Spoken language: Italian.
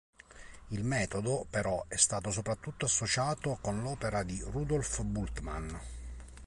Il metodo, però, è stato soprattutto associato con l'opera di Rudolf Bultmann.